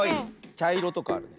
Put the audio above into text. ちゃいろとかあるね。